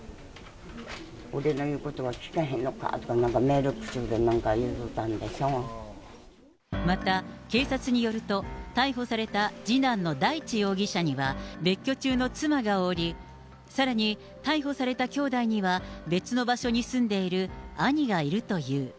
俺の言うことは聞かへんのかみたいな、なんか命令口調でなんか言また、警察によると、逮捕された次男の大地容疑者には別居中の妻がおり、さらに逮捕されたきょうだいには、別の場所に住んでいる兄がいるという。